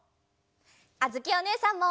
あづきおねえさんも！